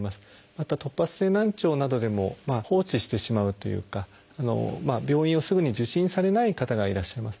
また突発性難聴などでも放置してしまうというか病院をすぐに受診されない方がいらっしゃいます。